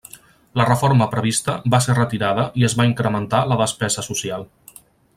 La reforma prevista va ser retirada i es va incrementar la despesa social.